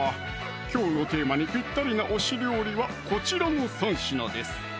きょうのテーマにぴったりな推し料理はこちらの３品です